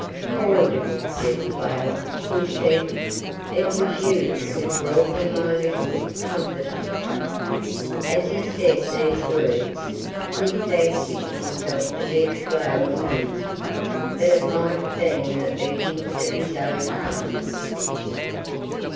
"Poor little dead flower," he said, "it was you who brought me my little comforter." As he said these words he fancied he felt the dead flower move; but it might have been the beating of his own heart.